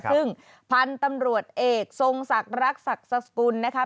ซึ่งพันธุ์ตำรวจเอกทรงศักดิ์รักศักดิ์สกุลนะคะ